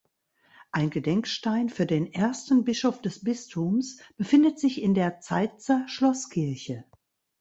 Ein Gedenkstein für den ersten Bischof des Bistums befindet sich in der Zeitzer Schlosskirche.